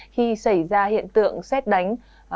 khi xảy ra hiện tượng xét đánh